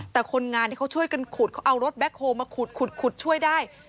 แต่คนงานที่เขาช่วยกันขุดเขาเอารถแบ็คโฮลมาขุดช่วยได้